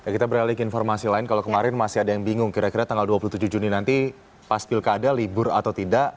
kita beralih ke informasi lain kalau kemarin masih ada yang bingung kira kira tanggal dua puluh tujuh juni nanti pas pilkada libur atau tidak